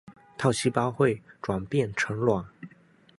套细胞会转变成卵。